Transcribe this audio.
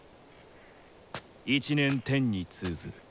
一念天に通ず。